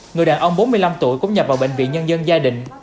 người đàn ông bốn mươi năm tuổi cũng nhập vào bệnh viện nhân dân gia đình